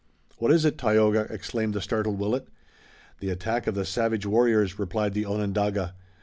"What is it, Tayoga?" exclaimed the startled Willet. "The attack of the savage warriors," replied the Onondaga.